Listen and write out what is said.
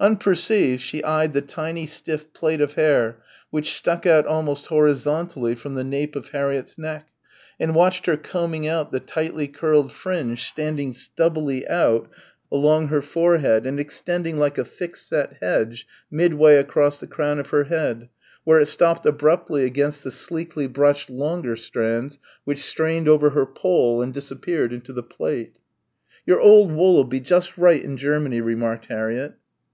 Unperceived, she eyed the tiny stiff plait of hair which stuck out almost horizontally from the nape of Harriett's neck, and watched her combing out the tightly curled fringe standing stubbily out along her forehead and extending like a thickset hedge midway across the crown of her head, where it stopped abruptly against the sleekly brushed longer strands which strained over her poll and disappeared into the plait. "Your old wool'll be just right in Germany," remarked Harriett.